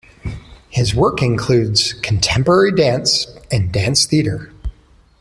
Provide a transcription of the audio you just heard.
His work includes contemporary dance and dance theatre.